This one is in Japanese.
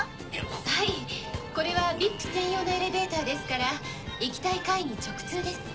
はいこれはＶＩＰ専用のエレベーターですから行きたい階に直通です。